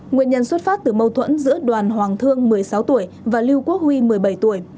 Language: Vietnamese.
nguyên nhân xuất phát từ mâu thuẫn giữa đoàn hoàng thương một mươi sáu tuổi và lưu quốc huy một mươi bảy tuổi